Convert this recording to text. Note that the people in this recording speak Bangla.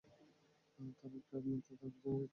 তারা ড্রাইভ নিতে তার পিছনে যাচ্ছে।